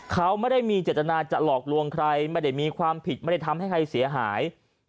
เขาไม่ได้มีเจตนาจะหลอกลวงใครไม่ได้มีความผิดไม่ได้ทำให้ใครเสียหาย